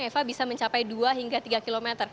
eva bisa mencapai dua hingga tiga km